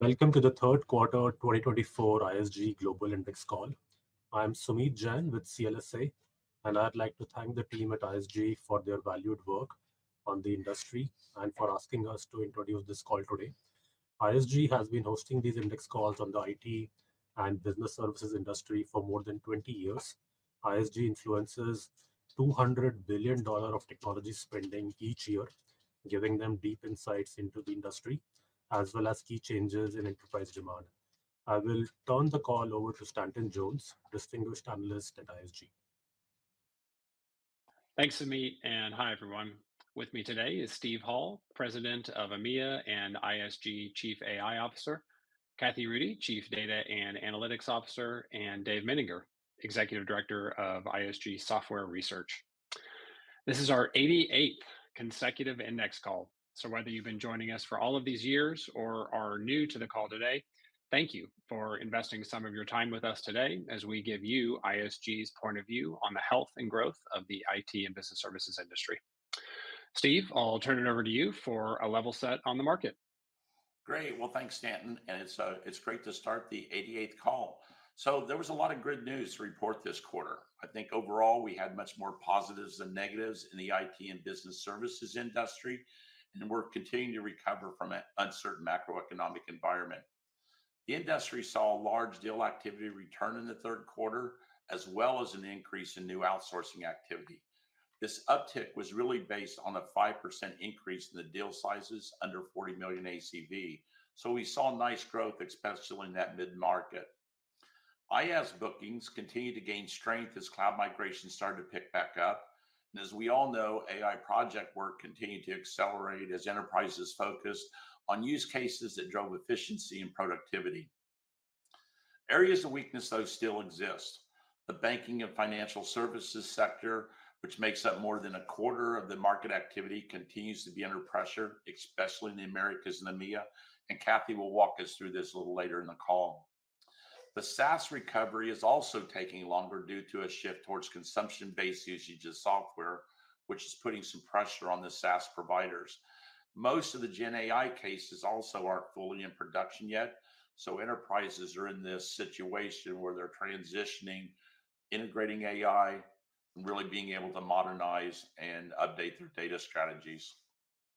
Welcome to the third quarter 2024 ISG Global Index call. I'm Sumeet Jain with CLSA, and I'd like to thank the team at ISG for their valued work on the industry and for asking us to introduce this call today. ISG has been hosting these index calls on the IT and business services industry for more than twenty years. ISG influences $200 billion of technology spending each year, giving them deep insights into the industry, as well as key changes in enterprise demand. I will turn the call over to Stanton Jones, Distinguished Analyst at ISG. Thanks, Sumeet, and hi, everyone. With me today is Steve Hall, President of EMEA and ISG Chief AI Officer, Kathy Rudy, Chief Data and Analytics Officer, and Dave Menninger, Executive Director of ISG Software Research. This is our eighty-eighth consecutive index call, so whether you've been joining us for all of these years or are new to the call today, thank you for investing some of your time with us today as we give you ISG's point of view on the health and growth of the IT and business services industry. Steve, I'll turn it over to you for a level set on the market. Great. Well, thanks, Stanton, and it's great to start the eighty-eighth call. So there was a lot of good news to report this quarter. I think overall, we had much more positives than negatives in the IT and business services industry, and we're continuing to recover from an uncertain macroeconomic environment. The industry saw large deal activity return in the third quarter, as well as an increase in new outsourcing activity. This uptick was really based on a 5% increase in the deal sizes under 40 million ACV. So we saw nice growth, especially in that mid-market. IaaS bookings continued to gain strength as cloud migration started to pick back up, and as we all know, AI project work continued to accelerate as enterprises focused on use cases that drove efficiency and productivity. Areas of weakness, though, still exist. The banking and financial services sector, which makes up more than a quarter of the market activity, continues to be under pressure, especially in the Americas and EMEA, and Kathy will walk us through this a little later in the call. The SaaS recovery is also taking longer due to a shift towards consumption-based usage of software, which is putting some pressure on the SaaS providers. Most of the GenAI cases also aren't fully in production yet, so enterprises are in this situation where they're transitioning, integrating AI, and really being able to modernize and update their data strategies.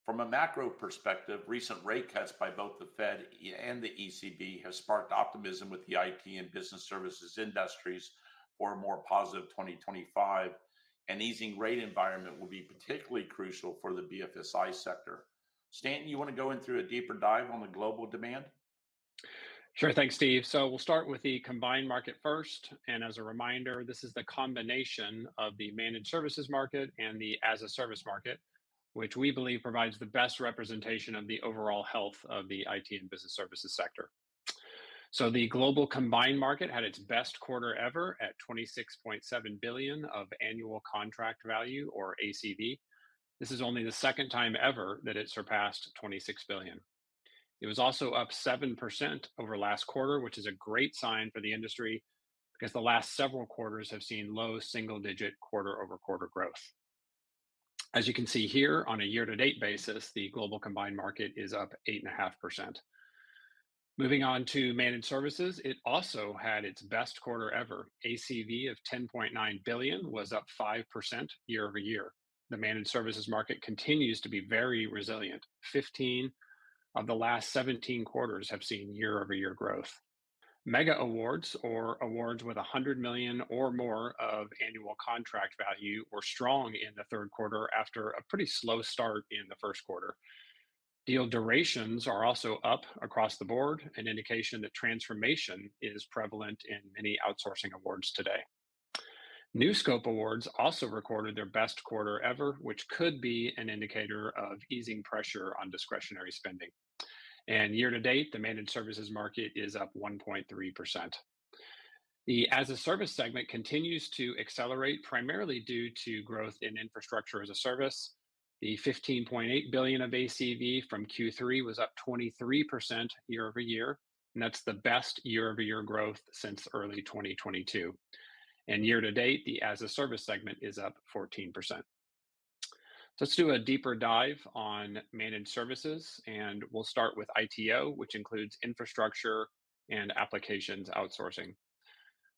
From a macro perspective, recent rate cuts by both the Fed and the ECB have sparked optimism with the IT and business services industries for a more positive 2025. An easing rate environment will be particularly crucial for the BFSI sector. Stanton, you wanna go in through a deeper dive on the global demand? Sure. Thanks, Steve. So we'll start with the combined market first, and as a reminder, this is the combination of the managed services market and the as-a-service market, which we believe provides the best representation of the overall health of the IT and business services sector. So the global combined market had its best quarter ever at $26.7 billion of annual contract value, or ACV. This is only the second time ever that it surpassed $26 billion. It was also up 7% over last quarter, which is a great sign for the industry, because the last several quarters have seen low single-digit quarter-over-quarter growth. As you can see here, on a year-to-date basis, the global combined market is up 8.5%. Moving on to managed services, it also had its best quarter ever. ACV of $10.9 billion was up 5% year over year. The managed services market continues to be very resilient. 15 of the last 17 quarters have seen year-over-year growth. Mega awards, or awards with a hundred million or more of annual contract value, were strong in the third quarter after a pretty slow start in the first quarter. Deal durations are also up across the board, an indication that transformation is prevalent in many outsourcing awards today. New scope awards also recorded their best quarter ever, which could be an indicator of easing pressure on discretionary spending, and year to date, the managed services market is up 1.3%. The as-a-service segment continues to accelerate, primarily due to growth in infrastructure as a service. The $15.8 billion of ACV from Q3 was up 23% year over year, and that's the best year-over-year growth since early 2022, and year to date, the as-a-service segment is up 14%. Let's do a deeper dive on managed services, and we'll start with ITO, which includes infrastructure and applications outsourcing.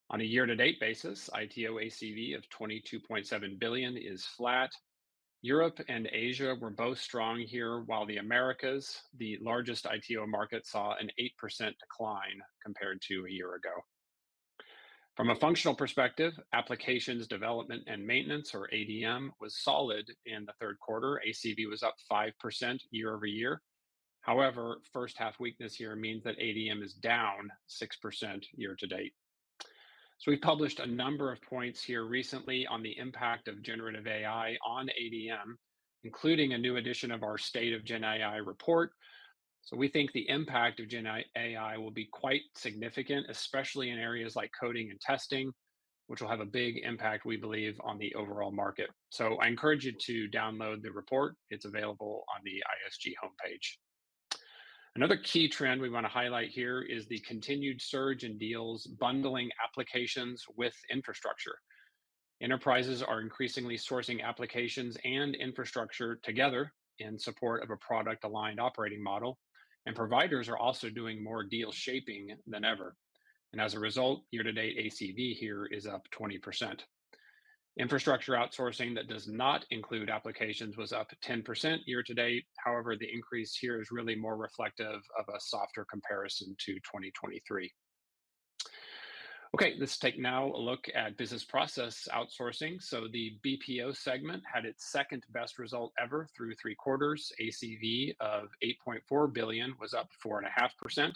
On a year-to-date basis, ITO ACV of $22.7 billion is flat. Europe and Asia were both strong here, while the Americas, the largest ITO market, saw an 8% decline compared to a year ago. From a functional perspective, applications, development, and maintenance, or ADM, was solid in the third quarter. ACV was up 5% year over year. However, first half weakness here means that ADM is down 6% year to date. We've published a number of points here recently on the impact of generative AI on ADM, including a new edition of our State of GenAI report. We think the impact of GenAI will be quite significant, especially in areas like coding and testing, which will have a big impact, we believe, on the overall market. I encourage you to download the report. It's available on the ISG homepage. Another key trend we wanna highlight here is the continued surge in deals bundling applications with infrastructure. Enterprises are increasingly sourcing applications and infrastructure together in support of a product-aligned operating model, and providers are also doing more deal shaping than ever. As a result, year-to-date ACV here is up 20%. Infrastructure outsourcing that does not include applications was up 10% year to date. However, the increase here is really more reflective of a softer comparison to 2023. Okay, let's take now a look at business process outsourcing. So the BPO segment had its second-best result ever through three quarters. ACV of $8.4 billion was up 4.5%.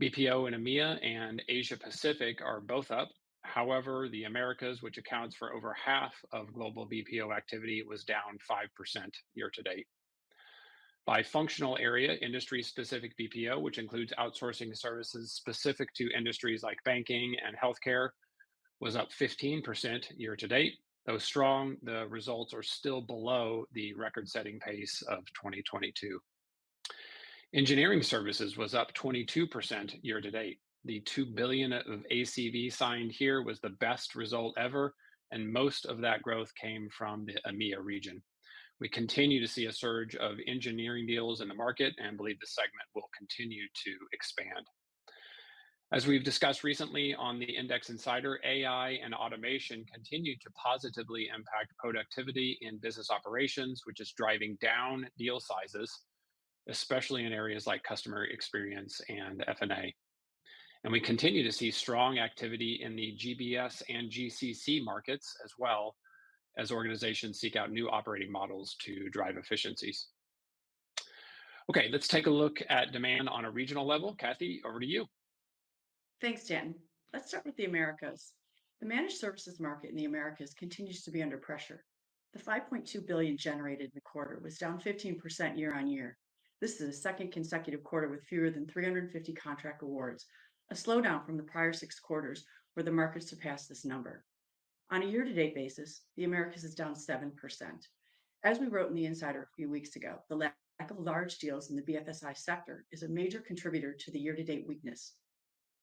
BPO in EMEA and Asia Pacific are both up. However, the Americas, which accounts for over half of global BPO activity, was down 5% year to date. By functional area, industry-specific BPO, which includes outsourcing services specific to industries like banking and healthcare, was up 15% year to date. Though strong, the results are still below the record-setting pace of 2022. Engineering services was up 22% year to date. The $2 billion of ACV signed here was the best result ever, and most of that growth came from the EMEA region. We continue to see a surge of engineering deals in the market and believe the segment will continue to expand. As we've discussed recently on the Index Insider, AI and automation continue to positively impact productivity in business operations, which is driving down deal sizes, especially in areas like customer experience and F&A, and we continue to see strong activity in the GBS and GCC markets, as well as organizations seek out new operating models to drive efficiencies. Okay, let's take a look at demand on a regional level. Kathy, over to you. Thanks, Stan. Let's start with the Americas. The managed services market in the Americas continues to be under pressure. The $5.2 billion generated in the quarter was down 15% year on year. This is the second consecutive quarter with fewer than 350 contract awards, a slowdown from the prior six quarters where the market surpassed this number. On a year-to-date basis, the Americas is down 7%. As we wrote in The Insider a few weeks ago, the lack of large deals in the BFSI sector is a major contributor to the year-to-date weakness.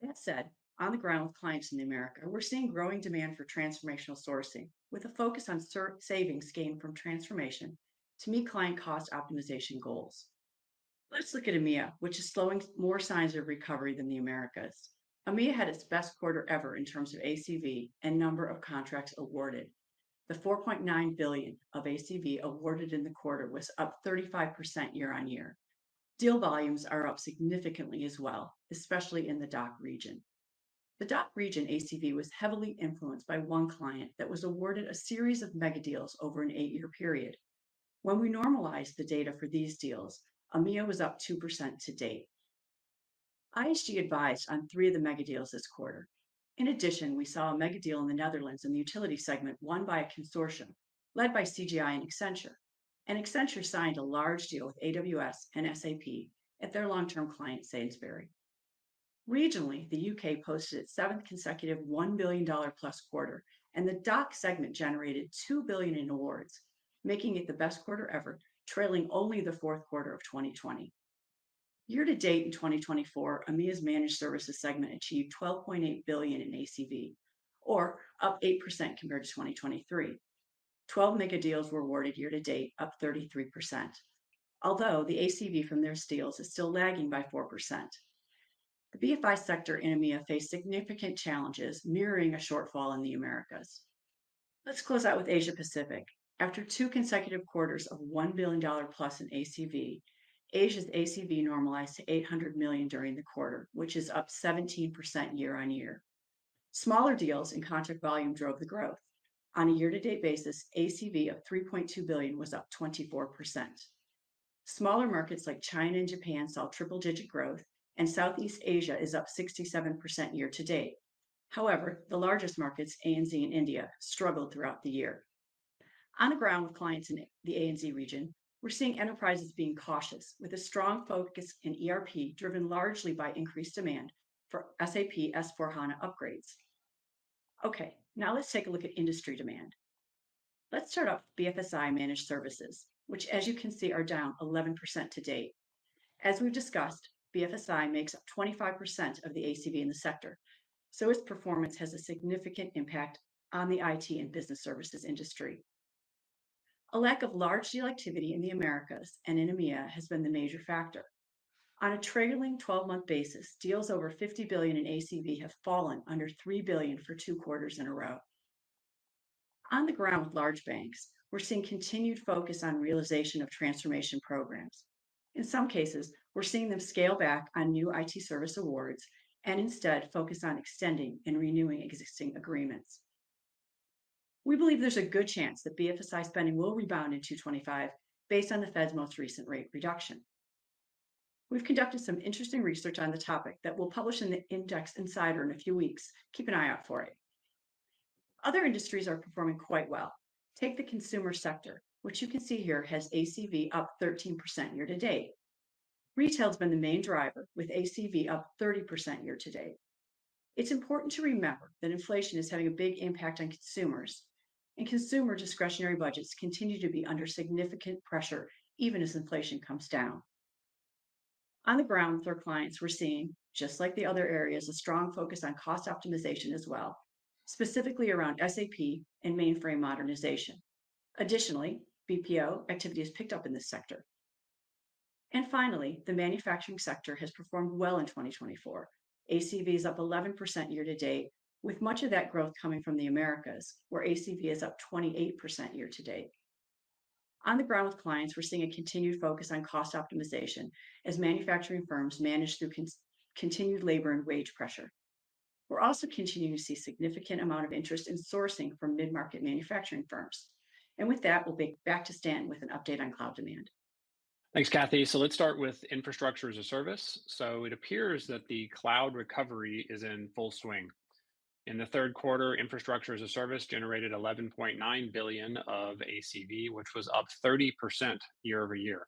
That said, on the ground with clients in the Americas, we're seeing growing demand for transformational sourcing, with a focus on savings gained from transformation to meet client cost optimization goals. Let's look at EMEA, which is showing more signs of recovery than the Americas. EMEA had its best quarter ever in terms of ACV and number of contracts awarded. The $4.9 billion of ACV awarded in the quarter was up 35% year on year. Deal volumes are up significantly as well, especially in the DACH region. The DACH region ACV was heavily influenced by one client that was awarded a series of mega deals over an eight-year period. When we normalized the data for these deals, EMEA was up 2% to date. ISG advised on 3 of the mega deals this quarter. In addition, we saw a mega deal in the Netherlands in the utility segment, won by a consortium led by CGI and Accenture, and Accenture signed a large deal with AWS and SAP at their long-term client, Sainsbury's. Regionally, the UK posted its seventh consecutive $1 billion-plus quarter, and the DACH segment generated $2 billion in awards, making it the best quarter ever, trailing only the fourth quarter of 2020. Year to date in 2024, EMEA's managed services segment achieved $12.8 billion in ACV, up 8% compared to 2023. 12 mega deals were awarded year to date, up 33%. Although the ACV from their deals is still lagging by 4%. The BFSI sector in EMEA faced significant challenges, mirroring a shortfall in the Americas. Let's close out with Asia Pacific. After two consecutive quarters of $1 billion-plus in ACV, Asia's ACV normalized to $800 million during the quarter, which is up 17% year on year. Smaller deals and contract volume drove the growth. On a year-to-date basis, ACV of $3.2 billion was up 24%. Smaller markets like China and Japan saw triple-digit growth, and Southeast Asia is up 67% year to date. However, the largest markets, ANZ and India, struggled throughout the year. On the ground with clients in the ANZ region, we're seeing enterprises being cautious, with a strong focus in ERP, driven largely by increased demand for SAP S/4HANA upgrades. Okay, now let's take a look at industry demand. Let's start off with BFSI managed services, which, as you can see, are down 11% to date. As we've discussed, BFSI makes up 25% of the ACV in the sector, so its performance has a significant impact on the IT and business services industry. A lack of large deal activity in the Americas and in EMEA has been the major factor. On a trailing twelve-month basis, deals over $50 billion in ACV have fallen under $3 billion for two quarters in a row. On the ground with large banks, we're seeing continued focus on realization of transformation programs. In some cases, we're seeing them scale back on new IT service awards and instead focus on extending and renewing existing agreements. We believe there's a good chance that BFSI spending will rebound in 2025 based on the Fed's most recent rate reduction. We've conducted some interesting research on the topic that we'll publish in the Index Insider in a few weeks. Keep an eye out for it. Other industries are performing quite well. Take the consumer sector, which you can see here has ACV up 13% year to date. Retail's been the main driver, with ACV up 30% year to date. It's important to remember that inflation is having a big impact on consumers, and consumer discretionary budgets continue to be under significant pressure, even as inflation comes down. On the ground with our clients, we're seeing, just like the other areas, a strong focus on cost optimization as well, specifically around SAP and mainframe modernization. Additionally, BPO activity has picked up in this sector. And finally, the manufacturing sector has performed well in twenty twenty-four. ACV is up 11% year to date, with much of that growth coming from the Americas, where ACV is up 28% year to date. On the ground with clients, we're seeing a continued focus on cost optimization as manufacturing firms manage through continued labor and wage pressure. We're also continuing to see significant amount of interest in sourcing from mid-market manufacturing firms. With that, we'll be back to Stan with an update on cloud demand. Thanks, Kathy. So let's start with infrastructure as a service. So it appears that the cloud recovery is in full swing. In the third quarter, infrastructure as a service generated $11.9 billion of ACV, which was up 30% year over year.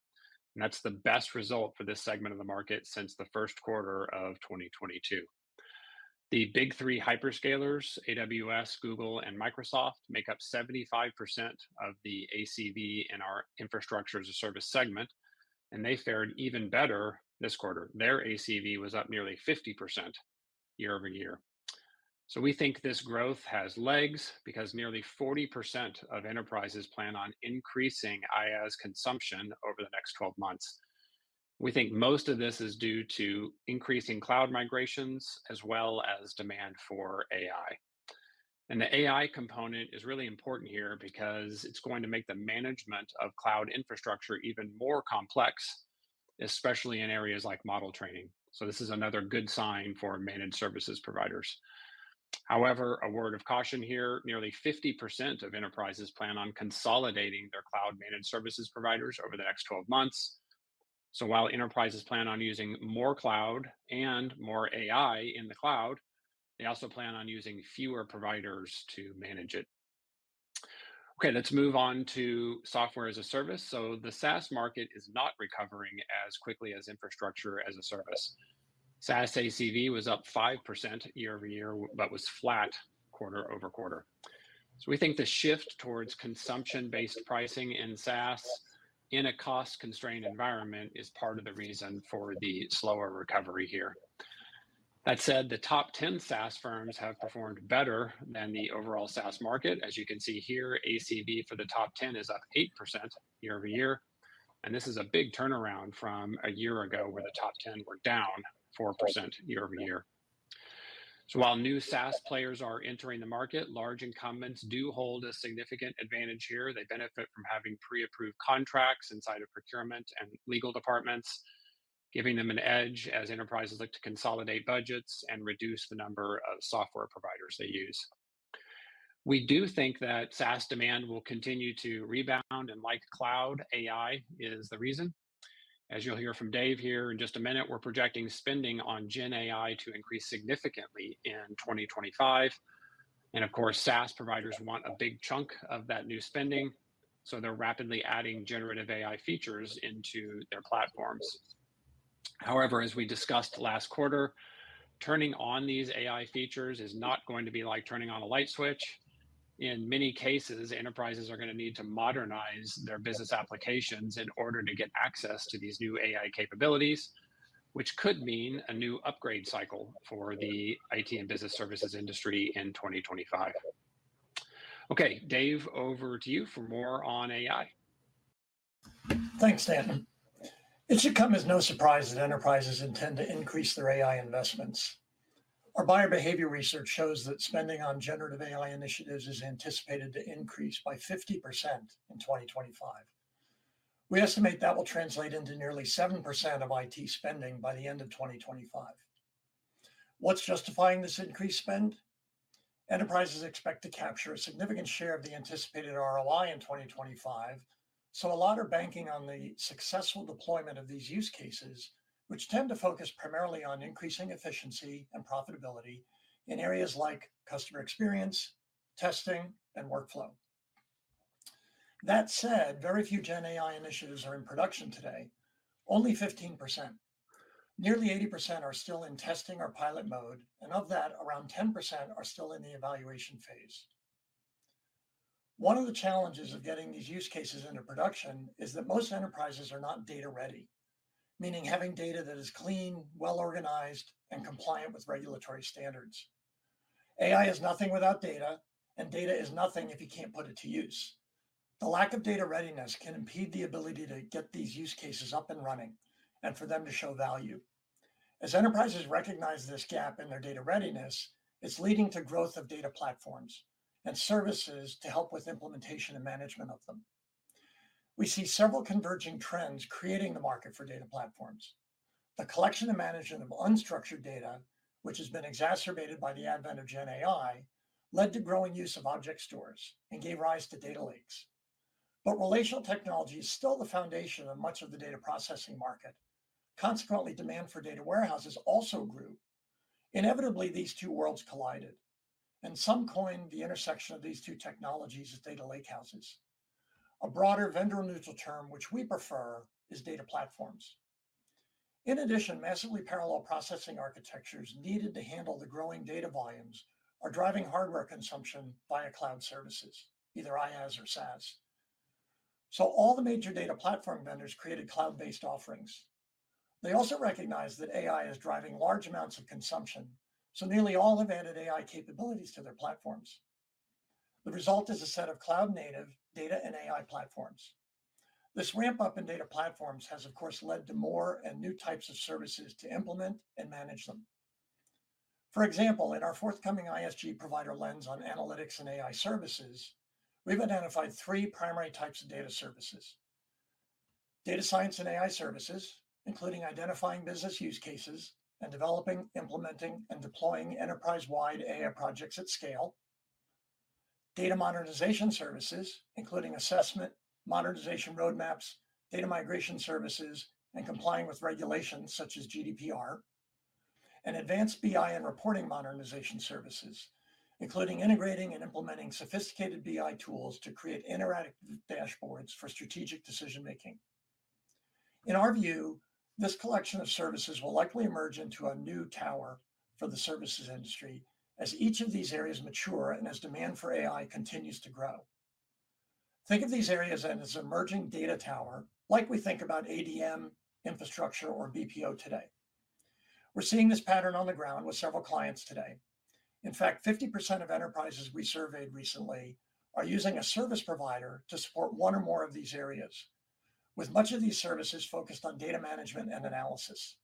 That's the best result for this segment of the market since the first quarter of 2022. The big three hyperscalers, AWS, Google, and Microsoft, make up 75% of the ACV in our infrastructure as a service segment, and they fared even better this quarter. Their ACV was up nearly 50% year over year. So we think this growth has legs, because nearly 40% of enterprises plan on increasing IaaS consumption over the next 12 months. We think most of this is due to increasing cloud migrations as well as demand for AI. And the AI component is really important here because it's going to make the management of cloud infrastructure even more complex, especially in areas like model training. So this is another good sign for managed services providers. However, a word of caution here, nearly 50% of enterprises plan on consolidating their cloud-managed services providers over the next twelve months. So while enterprises plan on using more cloud and more AI in the cloud, they also plan on using fewer providers to manage it. Okay, let's move on to software as a service. So the SaaS market is not recovering as quickly as infrastructure as a service. SaaS ACV was up 5% year over year, but was flat quarter over quarter. So we think the shift towards consumption-based pricing in SaaS in a cost-constrained environment is part of the reason for the slower recovery here. That said, the top ten SaaS firms have performed better than the overall SaaS market. As you can see here, ACV for the top ten is up 8% year over year, and this is a big turnaround from a year ago, where the top ten were down 4% year over year. So while new SaaS players are entering the market, large incumbents do hold a significant advantage here. They benefit from having pre-approved contracts inside of procurement and legal departments, giving them an edge as enterprises look to consolidate budgets and reduce the number of software providers they use. We do think that SaaS demand will continue to rebound, and like cloud, AI is the reason. As you'll hear from Dave here in just a minute, we're projecting spending on GenAI to increase significantly in 2025. And of course, SaaS providers want a big chunk of that new spending, so they're rapidly adding generative AI features into their platforms. However, as we discussed last quarter, turning on these AI features is not going to be like turning on a light switch. In many cases, enterprises are gonna need to modernize their business applications in order to get access to these new AI capabilities, which could mean a new upgrade cycle for the IT and business services industry in 2025. Okay, Dave, over to you for more on AI. Thanks, Stan. It should come as no surprise that enterprises intend to increase their AI investments. Our buyer behavior research shows that spending on generative AI initiatives is anticipated to increase by 50% in 2025. We estimate that will translate into nearly 7% of IT spending by the end of 2025. What's justifying this increased spend? Enterprises expect to capture a significant share of the anticipated ROI in 2025, so a lot are banking on the successful deployment of these use cases, which tend to focus primarily on increasing efficiency and profitability in areas like customer experience, testing, and workflow. That said, very few GenAI initiatives are in production today, only 15%. Nearly 80% are still in testing or pilot mode, and of that, around 10% are still in the evaluation phase. One of the challenges of getting these use cases into production is that most enterprises are not data ready, meaning having data that is clean, well-organized, and compliant with regulatory standards. AI is nothing without data, and data is nothing if you can't put it to use. The lack of data readiness can impede the ability to get these use cases up and running and for them to show value. As enterprises recognize this gap in their data readiness, it's leading to growth of data platforms and services to help with implementation and management of them. We see several converging trends creating the market for data platforms. The collection and management of unstructured data, which has been exacerbated by the advent of GenAI, led to growing use of object stores and gave rise to data lakes. But relational technology is still the foundation of much of the data processing market. Consequently, demand for data warehouses also grew. Inevitably, these two worlds collided, and some coined the intersection of these two technologies as data lake houses. A broader, vendor-neutral term, which we prefer, is data platforms. In addition, massively parallel processing architectures needed to handle the growing data volumes are driving hardware consumption via cloud services, either IaaS or SaaS. So all the major data platform vendors created cloud-based offerings. They also recognized that AI is driving large amounts of consumption, so nearly all have added AI capabilities to their platforms. The result is a set of cloud-native data and AI platforms. This ramp-up in data platforms has, of course, led to more and new types of services to implement and manage them. For example, in our forthcoming ISG Provider Lens on analytics and AI services, we've identified three primary types of data services: data science and AI services, including identifying business use cases and developing, implementing, and deploying enterprise-wide AI projects at scale, data modernization services, including assessment, modernization roadmaps, data migration services, and complying with regulations such as GDPR, and advanced BI and reporting modernization services, including integrating and implementing sophisticated BI tools to create interactive dashboards for strategic decision-making. In our view, this collection of services will likely emerge into a new tower for the services industry as each of these areas mature and as demand for AI continues to grow. Think of these areas as an emerging data tower like we think about ADM, infrastructure, or BPO today. We're seeing this pattern on the ground with several clients today. In fact, 50% of enterprises we surveyed recently are using a service provider to support one or more of these areas, with much of these services focused on data management and analysis.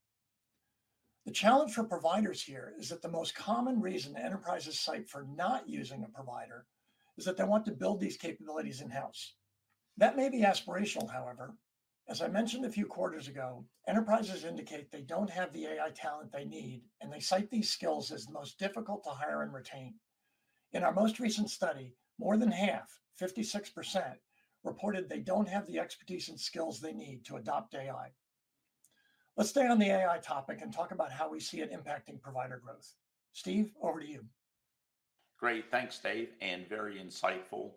The challenge for providers here is that the most common reason enterprises cite for not using a provider is that they want to build these capabilities in-house. That may be aspirational, however. As I mentioned a few quarters ago, enterprises indicate they don't have the AI talent they need, and they cite these skills as the most difficult to hire and retain. In our most recent study, more than half, 56%, reported they don't have the expertise and skills they need to adopt AI. Let's stay on the AI topic and talk about how we see it impacting provider growth. Steve, over to you. Great. Thanks, Dave, and very insightful.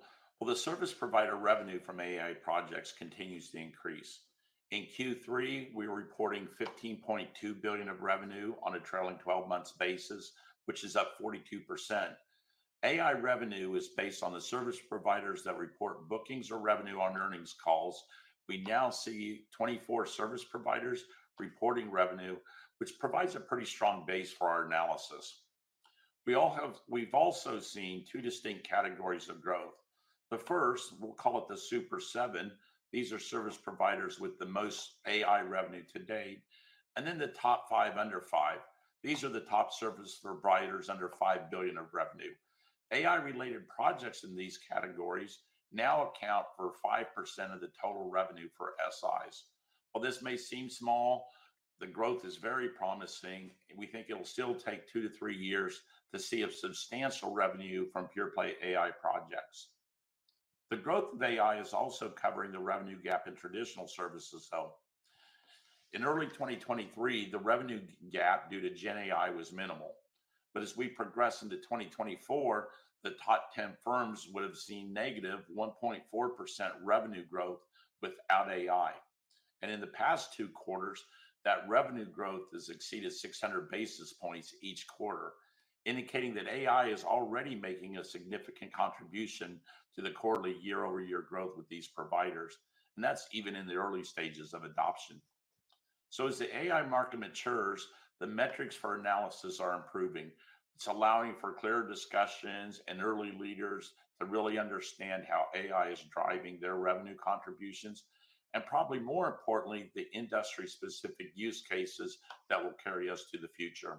The service provider revenue from AI projects continues to increase. In Q3, we were reporting $15.2 billion of revenue on a trailing twelve-month basis, which is up 42%. AI revenue is based on the service providers that report bookings or revenue on earnings calls. We now see 24 service providers reporting revenue, which provides a pretty strong base for our analysis. We've also seen two distinct categories of growth. The first, we'll call it the Super Seven. These are service providers with the most AI revenue to date, and then the top five under five. These are the top service providers under $5 billion of revenue. AI-related projects in these categories now account for 5% of the total revenue for SIs. While this may seem small, the growth is very promising, and we think it'll still take two to three years to see a substantial revenue from pure-play AI projects. The growth of AI is also covering the revenue gap in traditional services, though. In early 2023, the revenue gap due to GenAI was minimal, but as we progress into 2024, the top 10 firms would have seen negative 1.4% revenue growth without AI. And in the past two quarters, that revenue growth has exceeded 600 basis points each quarter, indicating that AI is already making a significant contribution to the quarterly year-over-year growth with these providers, and that's even in the early stages of adoption. So as the AI market matures, the metrics for analysis are improving. It's allowing for clear discussions and early leaders to really understand how AI is driving their revenue contributions, and probably more importantly, the industry-specific use cases that will carry us to the future.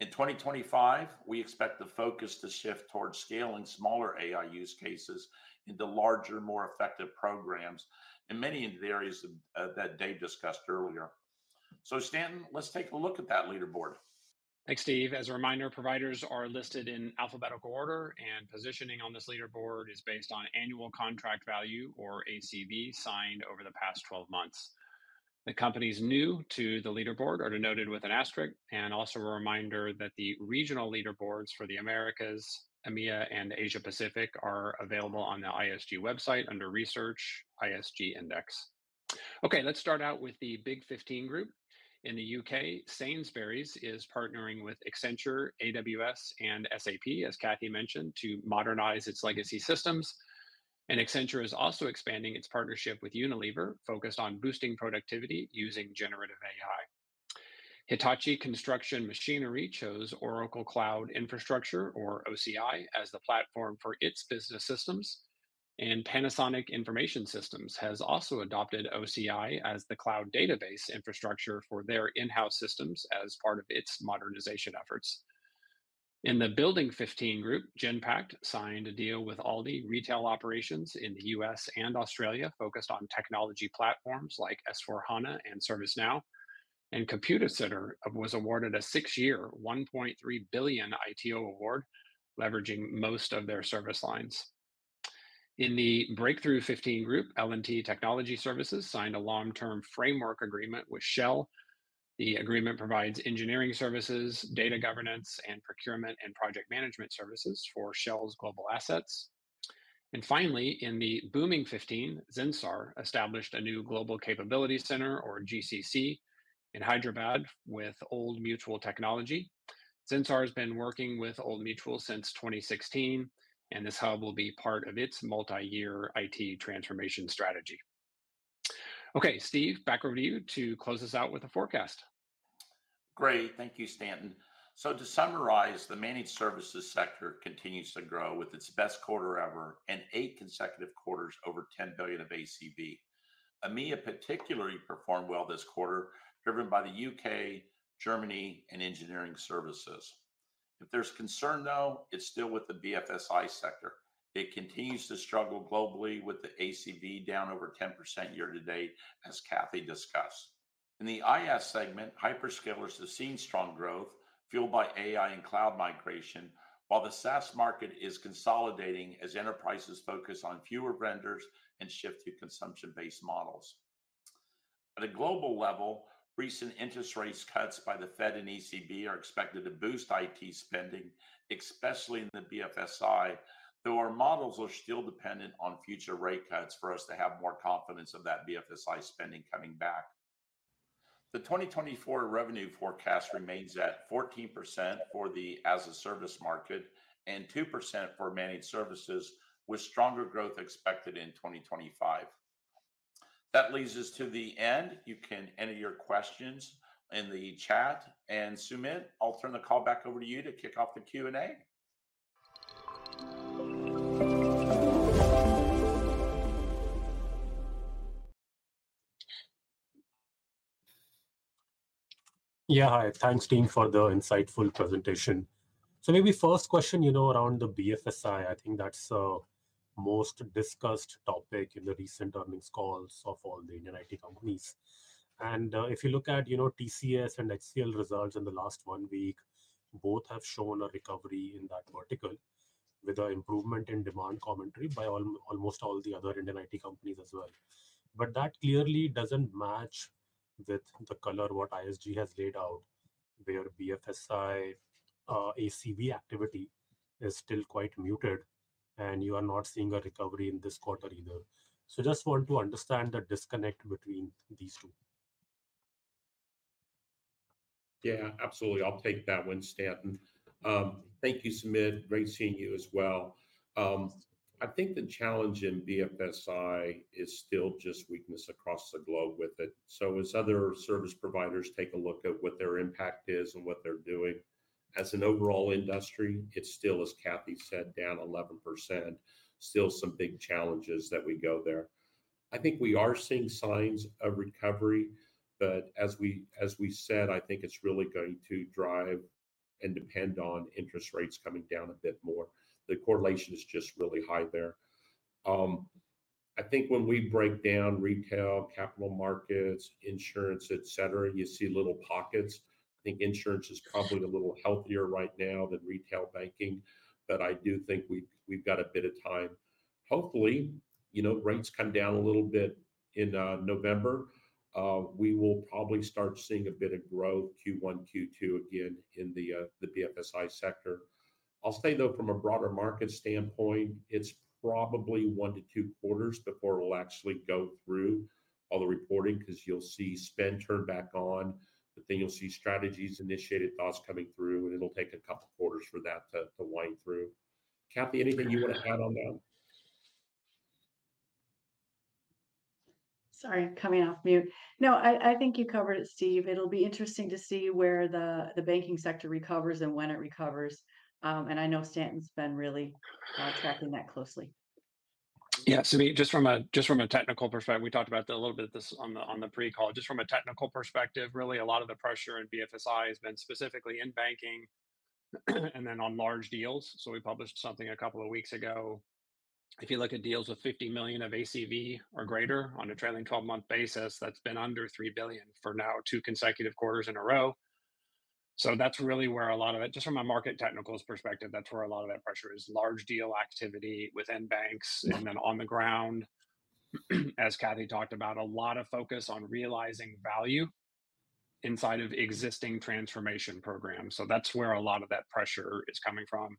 In 2025, we expect the focus to shift towards scaling smaller AI use cases into larger, more effective programs in many of the areas of that Dave discussed earlier. So, Stanton, let's take a look at that leaderboard. Thanks, Steve. As a reminder, providers are listed in alphabetical order, and positioning on this leaderboard is based on annual contract value, or ACV, signed over the past twelve months. The companies new to the leaderboard are denoted with an asterisk, and also a reminder that the regional leaderboards for the Americas, EMEA, and Asia Pacific are available on the ISG website under Research, ISG Index. Okay, let's start out with the Big Fifteen group. In the UK, Sainsbury's is partnering with Accenture, AWS, and SAP, as Kathy mentioned, to modernize its legacy systems, and Accenture is also expanding its partnership with Unilever, focused on boosting productivity using generative AI. Hitachi Construction Machinery chose Oracle Cloud Infrastructure, or OCI, as the platform for its business systems, and Panasonic Information Systems has also adopted OCI as the cloud database infrastructure for their in-house systems as part of its modernization efforts. In the Building Fifteen group, Genpact signed a deal with Aldi retail operations in the U.S. and Australia, focused on technology platforms like S/4HANA and ServiceNow, and Computacenter was awarded a six-year, 1.3 billion ITO award, leveraging most of their service lines. In the Breakthrough Fifteen group, L&T Technology Services signed a long-term framework agreement with Shell. The agreement provides engineering services, data governance, and procurement and project management services for Shell's global assets. And finally, in the Booming Fifteen, Zensar established a new global capability center, or GCC, in Hyderabad with Old Mutual Technology. Zensar has been working with Old Mutual since 2016, and this hub will be part of its multi-year IT transformation strategy. Okay, Steve, back over to you to close us out with a forecast. Great. Thank you, Stanton. So to summarize, the managed services sector continues to grow with its best quarter ever and 8 consecutive quarters over 10 billion of ACV. EMEA particularly performed well this quarter, driven by the UK, Germany, and engineering services. If there's concern, though, it's still with the BFSI sector. It continues to struggle globally, with the ACV down over 10% year to date, as Kathy discussed. In the IS segment, hyperscalers have seen strong growth fueled by AI and cloud migration, while the SaaS market is consolidating as enterprises focus on fewer vendors and shift to consumption-based models. At a global level, recent interest rates cuts by the Fed and ECB are expected to boost IT spending, especially in the BFSI, though our models are still dependent on future rate cuts for us to have more confidence of that BFSI spending coming back. The 2024 revenue forecast remains at 14% for the as-a-service market and 2% for managed services, with stronger growth expected in 2025. That leads us to the end. You can enter your questions in the chat, and Sumeet, I'll turn the call back over to you to kick off the Q&A. Yeah, hi. Thanks, team, for the insightful presentation. So maybe first question, you know, around the BFSI, I think that's the most discussed topic in the recent earnings calls of all the Indian IT companies, and if you look at, you know, TCS and HCL results in the last one week, both have shown a recovery in that vertical with an improvement in demand commentary by almost all the other Indian IT companies as well, but that clearly doesn't match with the color what ISG has laid out, where BFSI, ACV activity is still quite muted, and you are not seeing a recovery in this quarter either, so just want to understand the disconnect between these two. Yeah, absolutely. I'll take that one, Stanton. Thank you, Sumeet. Great seeing you as well. I think the challenge in BFSI is still just weakness across the globe with it. So as other service providers take a look at what their impact is and what they're doing, as an overall industry, it's still, as Kathy said, down 11%. Still some big challenges that we go there. I think we are seeing signs of recovery, but as we said, I think it's really going to drive and depend on interest rates coming down a bit more. The correlation is just really high there. I think when we break down retail, capital markets, insurance, et cetera, you see little pockets. I think insurance is probably a little healthier right now than retail banking, but I do think we've got a bit of time. Hopefully, you know, rates come down a little bit in November. We will probably start seeing a bit of growth Q1, Q2 again in the BFSI sector. I'll say, though, from a broader market standpoint, it's probably one to two quarters before it will actually go through all the reporting, 'cause you'll see spend turn back on, but then you'll see strategies, initiated thoughts coming through, and it'll take a couple of quarters for that to wind through. Kathy, anything you wanna add on that? Sorry, coming off mute. No, I think you covered it, Steve. It'll be interesting to see where the banking sector recovers and when it recovers. And I know Stanton's been really tracking that closely. Yeah, Sumeet, just from a technical perspective, we talked about that a little bit in the pre-call. Just from a technical perspective, really a lot of the pressure in BFSI has been specifically in banking, and then on large deals. So we published something a couple of weeks ago. If you look at deals with $50 million of ACV or greater on a trailing twelve-month basis, that's been under $3 billion for the past two consecutive quarters in a row. So that's really where a lot of it is. Just from a market technicals perspective, that's where a lot of that pressure is: large deal activity within banks, and then on the ground, as Kathy talked about, a lot of focus on realizing value inside of existing transformation programs. So that's where a lot of that pressure is coming from.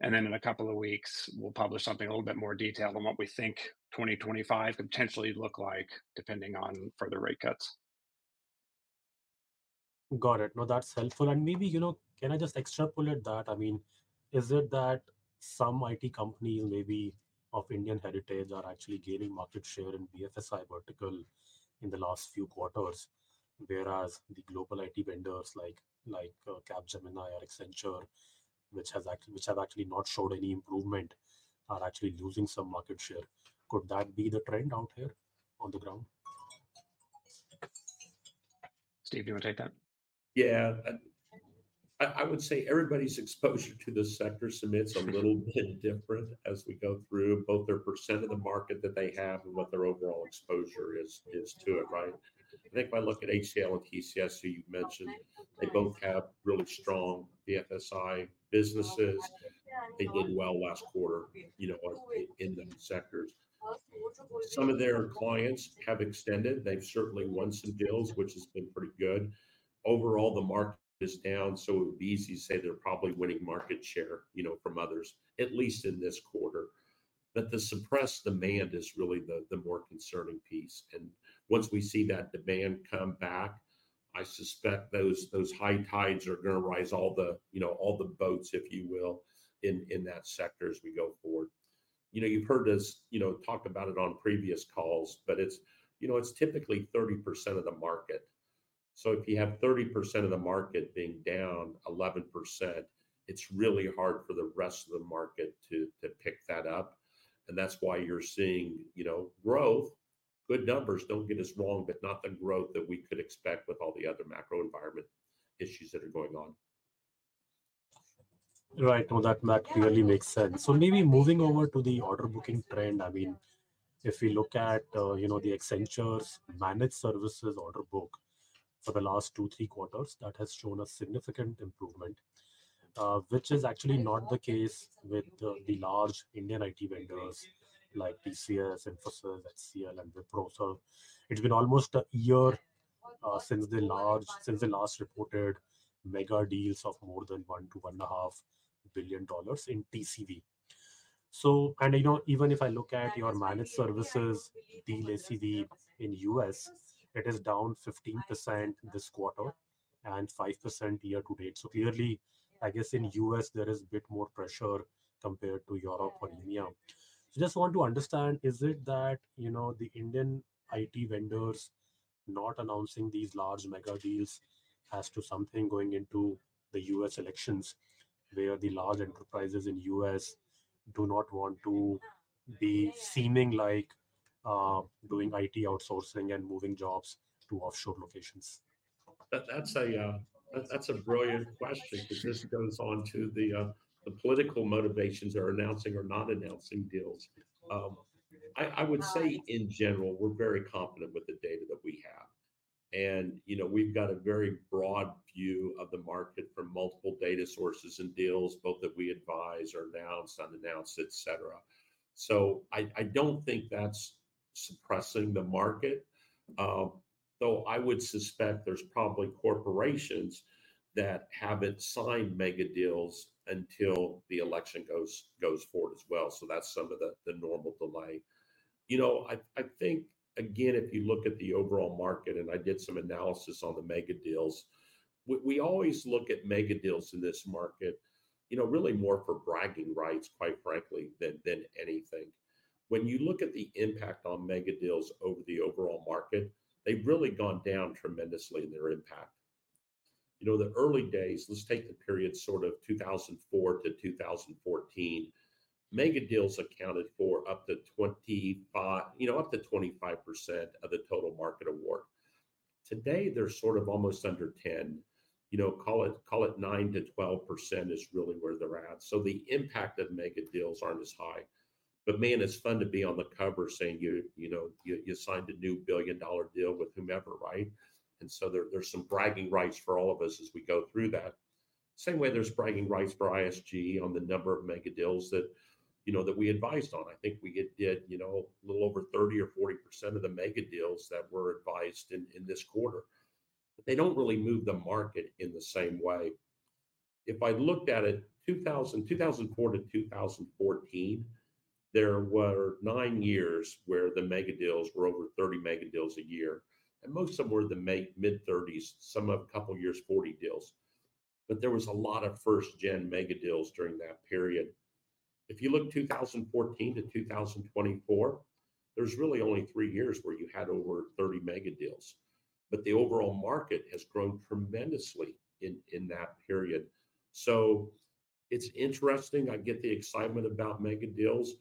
Then in a couple of weeks, we'll publish something a little bit more detailed on what we think 2025 could potentially look like, depending on further rate cuts. Got it. No, that's helpful. And maybe, you know, can I just extrapolate that? I mean, is it that some IT companies, maybe of Indian heritage, are actually gaining market share in BFSI vertical in the last few quarters, whereas the global IT vendors like Capgemini or Accenture, which has actually - which have actually not showed any improvement, are actually losing some market share? Could that be the trend out here on the ground? Steve, do you wanna take that? Yeah. I would say everybody's exposure to this sector, Sumeet, it's a little bit different as we go through, both their percent of the market that they have and what their overall exposure is, is to it, right? I think if I look at HCL and TCS, who you've mentioned, they both have really strong BFSI businesses. They did well last quarter, you know, or in those sectors. Some of their clients have extended. They've certainly won some deals, which has been pretty good. Overall, the market is down, so it would be easy to say they're probably winning market share, you know, from others, at least in this quarter. But the suppressed demand is really the more concerning piece. Once we see that demand come back, I suspect those high tides are gonna rise all the, you know, all the boats, if you will, in that sector as we go forward. You know, you've heard us, you know, talk about it on previous calls, but it's, you know, it's typically 30% of the market. So if you have 30% of the market being down 11%, it's really hard for the rest of the market to pick that up, and that's why you're seeing, you know, growth. Good numbers, don't get us wrong, but not the growth that we could expect with all the other macro environment issues that are going on. Right. Well, that clearly makes sense. So maybe moving over to the order booking trend, I mean, if we look at, you know, Accenture's Managed Services order book for the last two, three quarters, that has shown a significant improvement, which is actually not the case with the large Indian IT vendors like TCS, Infosys, HCL, and Wipro. So it's been almost a year since they last reported mega deals of more than $1 billion-$1.5 billion in TCV. And, you know, even if I look at your managed services deal ACV in U.S., it is down 15% this quarter and 5% year to date. So clearly, I guess in U.S., there is a bit more pressure compared to Europe or India. So just want to understand, is it that, you know, the Indian IT vendors not announcing these large mega deals has to do something going into the U.S. elections, where the large enterprises in the U.S. do not want to be seeming like doing IT outsourcing and moving jobs to offshore locations? That's a brilliant question. Sure... because this goes on to the political motivations for announcing or not announcing deals. I would say in general, we're very confident with the data that we have, and, you know, we've got a very broad view of the market from multiple data sources and deals, both that we advise, are announced, unannounced, etcetera. So I don't think that's suppressing the market. Though I would suspect there's probably corporations that haven't signed mega deals until the election goes forward as well, so that's some of the normal delay. You know, I think, again, if you look at the overall market, and I did some analysis on the mega deals, we always look at mega deals in this market, you know, really more for bragging rights, quite frankly, than anything. When you look at the impact on mega deals over the overall market, they've really gone down tremendously in their impact. You know, the early days, let's take the period sort of 2004 to 2014, mega deals accounted for up to 25% of the total market award. Today, they're sort of almost under 10%. You know, call it 9%-12% is really where they're at. So the impact of mega deals aren't as high. But, man, it's fun to be on the cover saying you know, you signed a new $1 billion deal with whomever, right? And so there, there's some bragging rights for all of us as we go through that. Same way, there's bragging rights for ISG on the number of mega deals that, you know, that we advised on. I think we did get, you know, a little over 30% or 40% of the mega deals that were advised in this quarter. But they don't really move the market in the same way. If I looked at it, 2004 to 2014, there were nine years where the mega deals were over 30 mega deals a year, and most of them were the mid-thirties, some of them, a couple of years, 40 deals. But there was a lot of first-gen mega deals during that period. If you look 2014 to 2024, there's really only three years where you had over 30 mega deals, but the overall market has grown tremendously in that period. So it's interesting. I get the excitement about mega deals,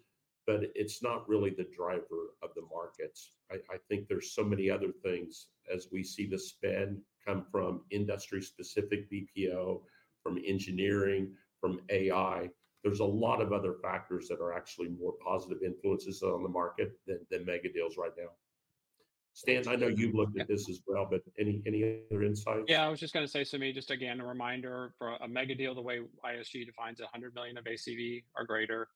but it's not really the driver of the markets. I think there's so many other things as we see the spend come from industry-specific BPO, from engineering, from AI. There's a lot of other factors that are actually more positive influences on the market than mega deals right now. Stan, I know you've looked at this as well, but any other insights? Yeah, I was just gonna say, Sumeet, just again, a reminder, for a mega deal, the way ISG defines $100 million of ACV or greater.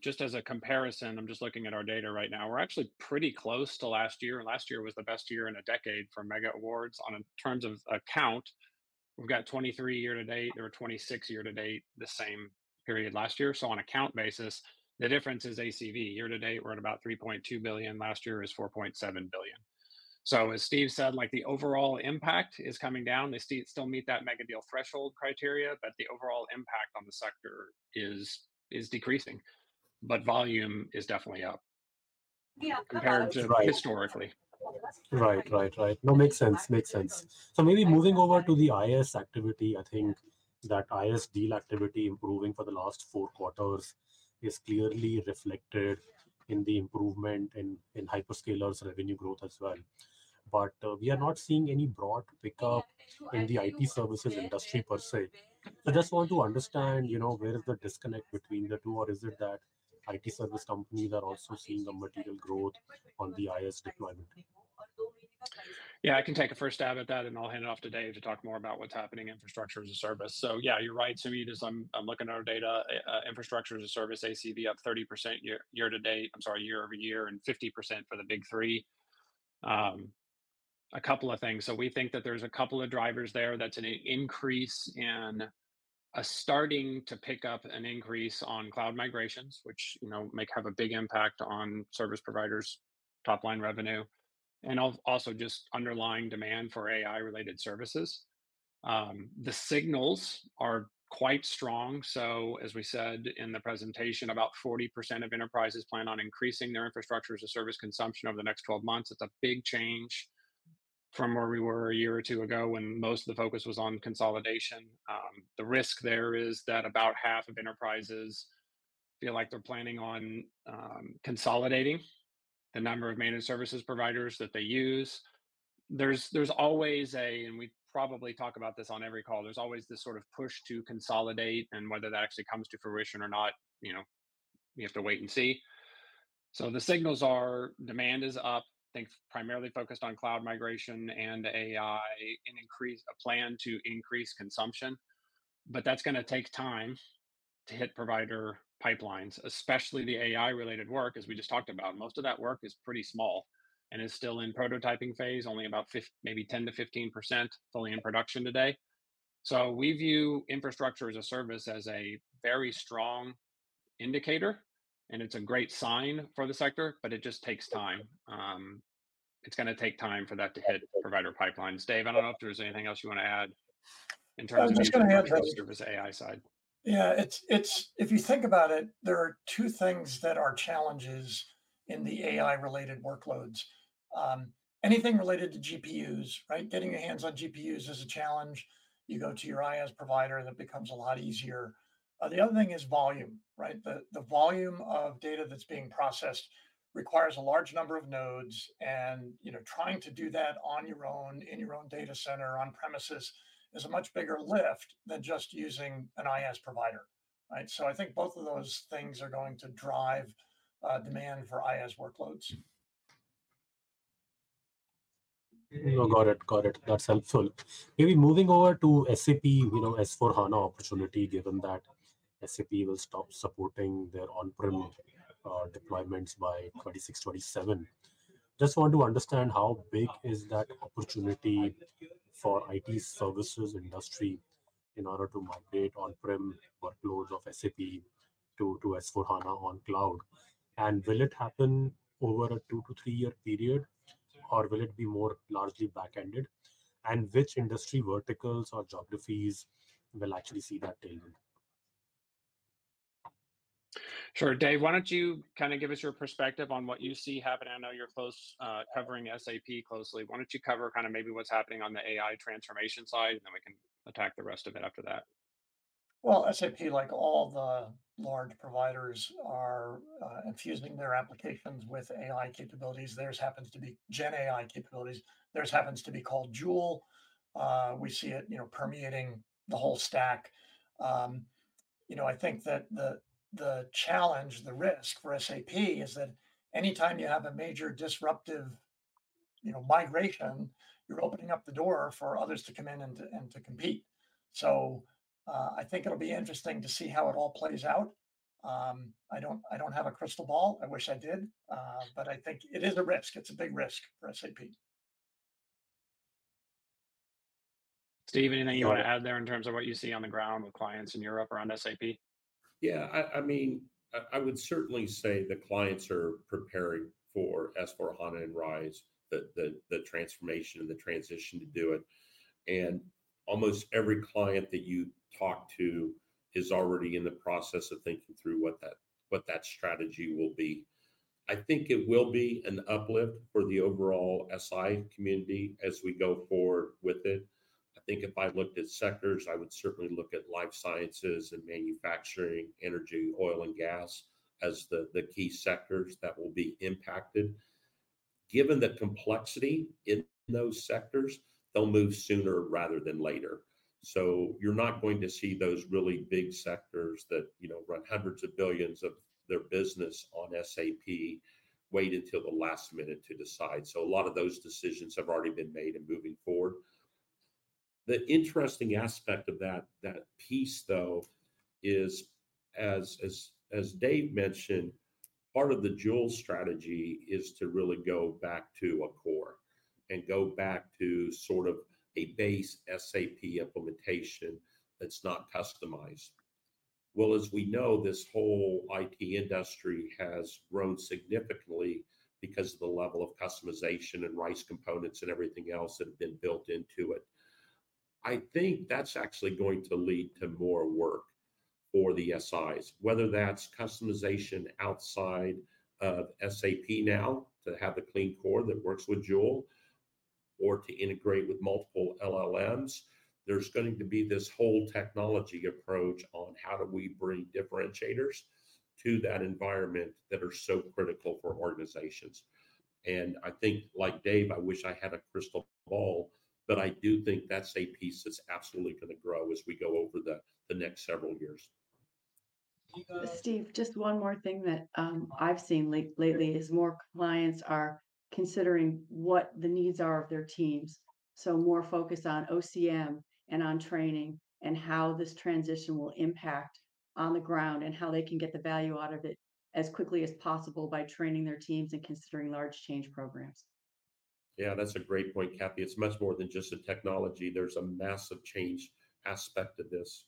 Just as a comparison, I'm just looking at our data right now. We're actually pretty close to last year, and last year was the best year in a decade for mega awards. In terms of accounts, we've got 23 year to date, or 26 year to date, the same period last year. So on account basis, the difference is ACV. Year to date, we're at about $3.2 billion, last year is $4.7 billion. So as Steve said, like the overall impact is coming down. They still meet that mega deal threshold criteria, but the overall impact on the sector is decreasing, but volume is definitely up. Yeah... compared to historically. Right. No, makes sense. So maybe moving over to the IS activity, I think that IS deal activity improving for the last four quarters is clearly reflected in the improvement in hyperscalers' revenue growth as well. But we are not seeing any broad pickup in the IT services industry per se. I just want to understand, you know, where is the disconnect between the two, or is it that IT service companies are also seeing a material growth on the IS deployment? Yeah, I can take a first stab at that, and I'll hand it off to Dave to talk more about what's happening in infrastructure as a service. So yeah, you're right, Sumeet, as I'm looking at our data, infrastructure as a service ACV up 30% year over year, and 50% for the big three. A couple of things. So we think that there's a couple of drivers there. That's an increase in starting to pick up an increase on cloud migrations, which you know may have a big impact on service providers' top-line revenue, and also just underlying demand for AI-related services. The signals are quite strong. So as we said in the presentation, about 40% of enterprises plan on increasing their infrastructure as a service consumption over the next twelve months. It's a big change from where we were a year or two ago, when most of the focus was on consolidation. The risk there is that about half of enterprises feel like they're planning on consolidating the number of managed services providers that they use. There's always, and we probably talk about this on every call, there's always this sort of push to consolidate, and whether that actually comes to fruition or not, you know, we have to wait and see, so the signals are: demand is up, I think primarily focused on cloud migration and AI, and a plan to increase consumption, but that's gonna take time to hit provider pipelines, especially the AI-related work, as we just talked about. Most of that work is pretty small and is still in prototyping phase, only about maybe 10 to 15% fully in production today, so we view infrastructure as a service as a very strong indicator, and it's a great sign for the sector, but it just takes time. It's gonna take time for that to hit provider pipelines. Dave, I don't know if there's anything else you wanna add in terms of- I was just gonna add- Infrastructure as a service. Yeah, it's if you think about it, there are two things that are challenges in the AI-related workloads. Anything related to GPUs, right? Getting your hands on GPUs is a challenge. You go to your IaaS provider, and it becomes a lot easier. The other thing is volume, right? The volume of data that's being processed requires a large number of nodes, and you know, trying to do that on your own, in your own data center, on premises, is a much bigger lift than just using an IaaS provider, right? So I think both of those things are going to drive demand for IaaS workloads. No, got it. Got it. That's helpful. Maybe moving over to SAP, you know, S/4HANA opportunity, given that SAP will stop supporting their on-prem deployments by 2026, 2027. Just want to understand how big is that opportunity for IT services industry in order to migrate on-prem workloads of SAP to S/4HANA on cloud? And will it happen over a two to three year period, or will it be more largely back-ended? And which industry verticals or geographies will actually see that demand? Sure. Dave, why don't you kinda give us your perspective on what you see happening? I know you're close, covering SAP closely. Why don't you cover kinda maybe what's happening on the AI transformation side, and then we can attack the rest of it after that? SAP, like all the large providers, are infusing their applications with AI capabilities. Theirs happens to be GenAI capabilities. Theirs happens to be called Joule. We see it, you know, permeating the whole stack. You know, I think that the challenge, the risk for SAP, is that any time you have a major disruptive migration, you're opening up the door for others to come in and to compete. So, I think it'll be interesting to see how it all plays out. I don't have a crystal ball. I wish I did, but I think it is a risk. It's a big risk for SAP. Steve, anything you wanna add there in terms of what you see on the ground with clients in Europe around SAP? Yeah, I mean, I would certainly say the clients are preparing for S/4HANA and RISE, the transformation and the transition to do it. And almost every client that you talk to is already in the process of thinking through what that strategy will be. I think it will be an uplift for the overall SI community as we go forward with it. I think if I looked at sectors, I would certainly look at life sciences and manufacturing, energy, oil and gas as the key sectors that will be impacted. Given the complexity in those sectors, they'll move sooner rather than later. So you're not going to see those really big sectors that, you know, run hundreds of billions of their business on SAP, wait until the last minute to decide. A lot of those decisions have already been made in moving forward. The interesting aspect of that piece, though, is, as Dave mentioned, part of the Joule strategy is to really go back to a core and go back to sort of a base SAP implementation that's not customized. Well, as we know, this whole IT industry has grown significantly because of the level of customization and RISE components and everything else that have been built into it. I think that's actually going to lead to more work for the SIs, whether that's customization outside of SAP now, to have a clean core that works with Joule, or to integrate with multiple LLMs. There's going to be this whole technology approach on: how do we bring differentiators to that environment that are so critical for organizations? I think, like Dave, I wish I had a crystal ball, but I do think that's a piece that's absolutely gonna grow as we go over the next several years. Steve, just one more thing that, I've seen lately, is more clients are considering what the needs are of their teams.... so more focus on OCM and on training, and how this transition will impact on the ground, and how they can get the value out of it as quickly as possible by training their teams and considering large change programs. Yeah, that's a great point, Kathy. It's much more than just the technology. There's a massive change aspect to this.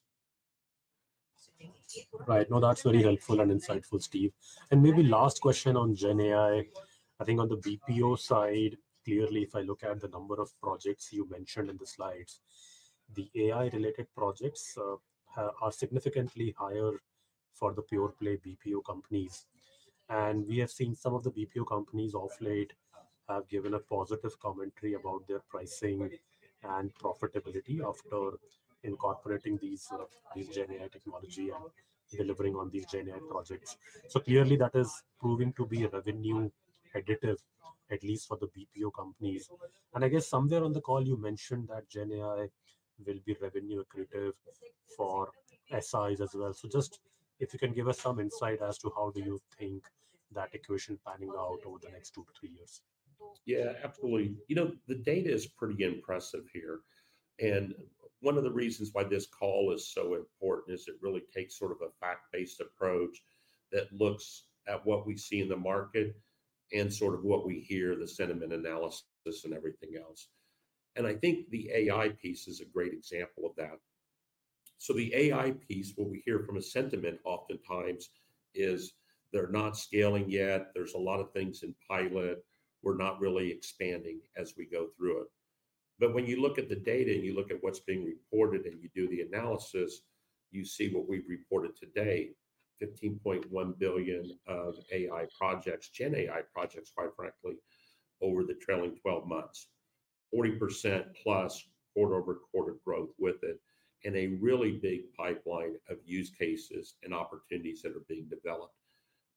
Right. No, that's very helpful and insightful, Steve. And maybe last question on GenAI. I think on the BPO side, clearly, if I look at the number of projects you mentioned in the slides, the AI-related projects are significantly higher for the pure-play BPO companies. And we have seen some of the BPO companies of late have given a positive commentary about their pricing and profitability after incorporating these GenAI technology and delivering on these GenAI projects. So clearly, that is proving to be a revenue additive, at least for the BPO companies. And I guess somewhere on the call you mentioned that GenAI will be revenue accretive for SIs as well. So just if you can give us some insight as to how do you think that equation panning out over the next two to three years? Yeah, absolutely. You know, the data is pretty impressive here, and one of the reasons why this call is so important is it really takes sort of a fact-based approach that looks at what we see in the market and sort of what we hear, the sentiment analysis and everything else. And I think the AI piece is a great example of that. So the AI piece, what we hear from a sentiment oftentimes is they're not scaling yet. There's a lot of things in pilot. We're not really expanding as we go through it. But when you look at the data, and you look at what's being reported, and you do the analysis, you see what we've reported today, $15.1 billion of AI projects, GenAI projects, quite frankly, over the trailing twelve months. 40% plus quarter-over-quarter growth with it, and a really big pipeline of use cases and opportunities that are being developed.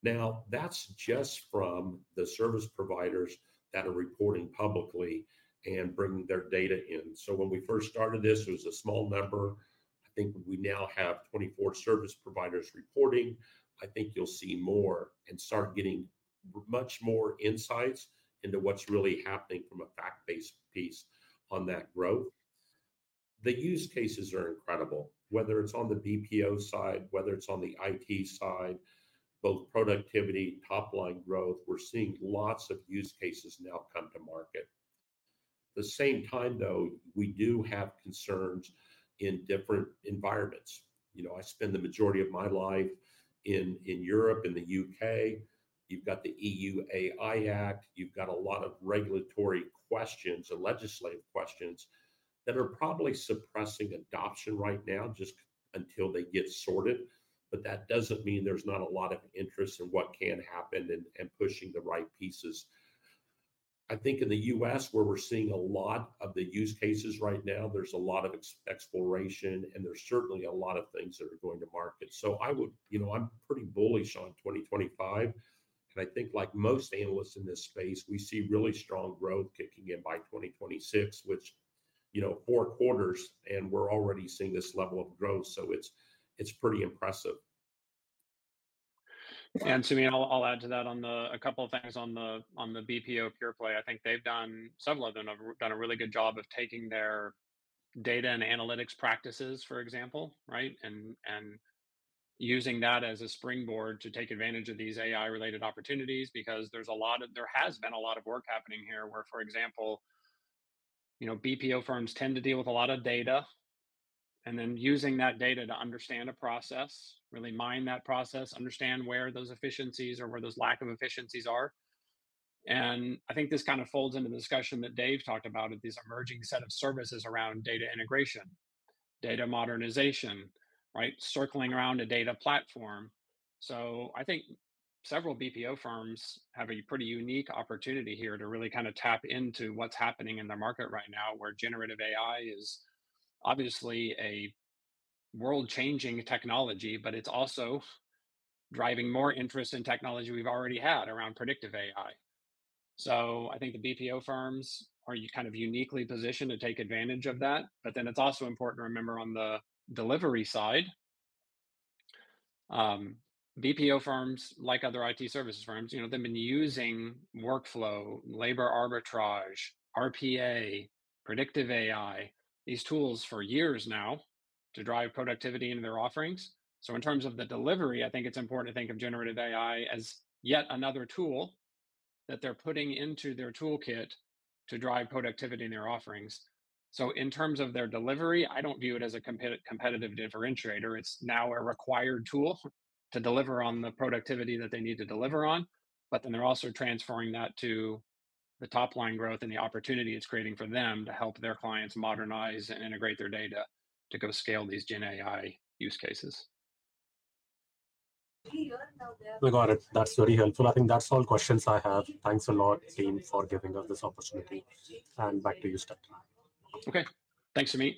Now, that's just from the service providers that are reporting publicly and bringing their data in. So when we first started this, it was a small number. I think we now have 24 service providers reporting. I think you'll see more and start getting much more insights into what's really happening from a fact-based piece on that growth. The use cases are incredible, whether it's on the BPO side, whether it's on the IT side, both productivity, top-line growth, we're seeing lots of use cases now come to market. At the same time, though, we do have concerns in different environments. You know, I spend the majority of my life in Europe, in the UK. You've got the EU AI Act. You've got a lot of regulatory questions and legislative questions that are probably suppressing adoption right now, just until they get sorted. But that doesn't mean there's not a lot of interest in what can happen, and pushing the right pieces. I think in the U.S., where we're seeing a lot of the use cases right now, there's a lot of exploration, and there's certainly a lot of things that are going to market. So I would... You know, I'm pretty bullish on 2025, and I think, like most analysts in this space, we see really strong growth kicking in by 2026, which, you know, four quarters, and we're already seeing this level of growth, so it's, it's pretty impressive. Sumeet, I'll add to that on the BPO pure play. A couple of things on the BPO pure play. I think some of them have done a really good job of taking their data and analytics practices, for example, right? And using that as a springboard to take advantage of these AI-related opportunities because there's a lot of work happening here, where, for example, you know, BPO firms tend to deal with a lot of data, and then using that data to understand a process, really mine that process, understand where those efficiencies or where those lack of efficiencies are. And I think this kind of folds into the discussion that Dave talked about, of these emerging set of services around data integration, data modernization, right? Circling around a data platform. I think several BPO firms have a pretty unique opportunity here to really kind of tap into what's happening in the market right now, where generative AI is obviously a world-changing technology, but it's also driving more interest in technology we've already had around predictive AI. I think the BPO firms are kind of uniquely positioned to take advantage of that. But then it's also important to remember on the delivery side, BPO firms, like other IT services firms, you know, they've been using workflow, labor arbitrage, RPA, predictive AI, these tools for years now to drive productivity into their offerings. So in terms of the delivery, I think it's important to think of generative AI as yet another tool that they're putting into their toolkit to drive productivity in their offerings. So in terms of their delivery, I don't view it as a competitive differentiator. It's now a required tool to deliver on the productivity that they need to deliver on, but then they're also transferring that to the top-line growth and the opportunity it's creating for them to help their clients modernize and integrate their data to go scale these GenAI use cases. We got it. That's very helpful. I think that's all the questions I have. Thanks a lot, team, for giving us this opportunity, and back to you, Scott. Okay. Thanks, Sumeet.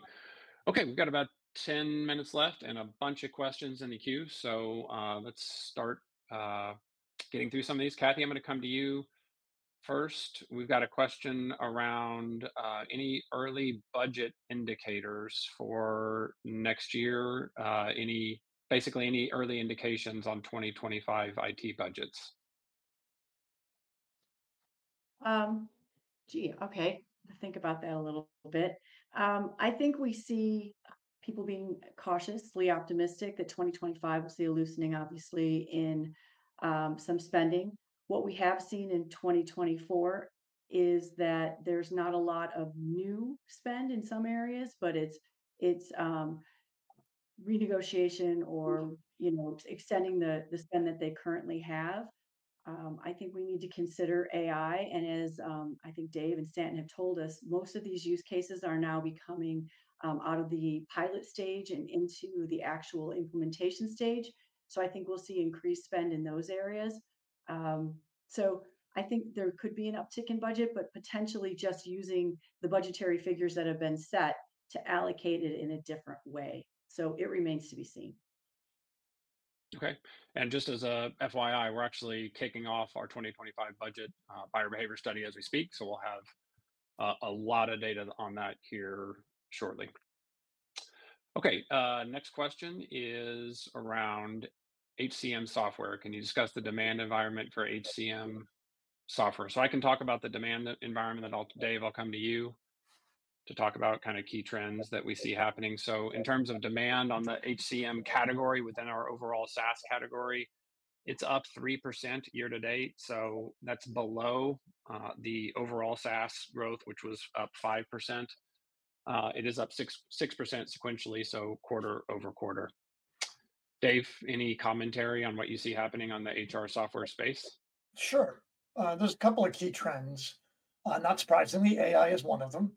Okay, we've got about ten minutes left and a bunch of questions in the queue, so let's start getting through some of these. Kathy, I'm gonna come to you first. We've got a question around any early budget indicators for next year. Any... Basically, any early indications on 2025 IT budgets?... Gee, okay. Let's think about that a little bit. I think we see people being cautiously optimistic that 2025 will see a loosening, obviously, in some spending. What we have seen in twenty twenty-four is that there's not a lot of new spend in some areas, but it's renegotiation or, you know, extending the spend that they currently have. I think we need to consider AI, and as I think Dave and Stanton have told us, most of these use cases are now becoming out of the pilot stage and into the actual implementation stage. So I think we'll see increased spend in those areas. So I think there could be an uptick in budget, but potentially just using the budgetary figures that have been set to allocate it in a different way. So it remains to be seen. Okay, and just as a FYI, we're actually kicking off our 2025 budget buyer behavior study as we speak, so we'll have a lot of data on that here shortly. Okay, next question is around HCM software. Can you discuss the demand environment for HCM software? So I can talk about the demand environment at all. Dave, I'll come to you to talk about kind of key trends that we see happening. So in terms of demand on the HCM category, within our overall SaaS category, it's up 3% year to date, so that's below the overall SaaS growth, which was up 5%. It is up 6% sequentially, so quarter over quarter. Dave, any commentary on what you see happening on the HR software space? Sure. There's a couple of key trends. Not surprisingly, AI is one of them.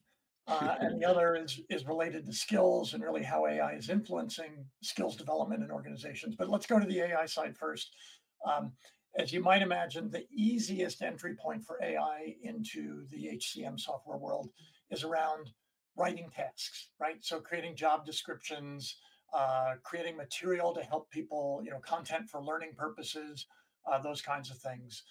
Sure. And the other is related to skills and really how AI is influencing skills development in organizations. But let's go to the AI side first. As you might imagine, the easiest entry point for AI into the HCM software world is around writing tasks, right? So creating job descriptions, creating material to help people, you know, content for learning purposes, those kinds of things.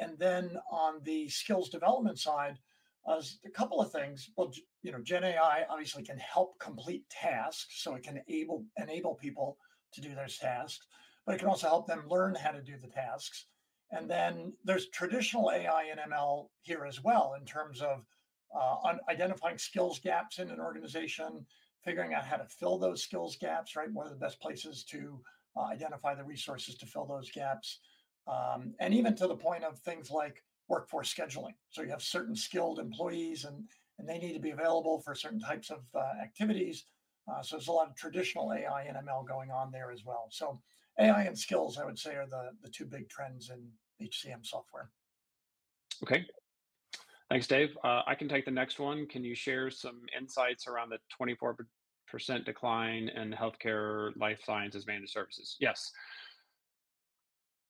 And then on the skills development side, a couple of things. Well, you know, GenAI obviously can help complete tasks, so it can enable people to do those tasks, but it can also help them learn how to do the tasks. And then there's traditional AI and ML here as well, in terms of identifying skills gaps in an organization, figuring out how to fill those skills gaps, right? What are the best places to identify the resources to fill those gaps and even to the point of things like workforce scheduling, so you have certain skilled employees and they need to be available for certain types of activities, so there's a lot of traditional AI and ML going on there as well, so AI and skills, I would say, are the two big trends in HCM software. Okay. Thanks, Dave. I can take the next one. Can you share some insights around the 24% decline in healthcare life science as managed services? Yes.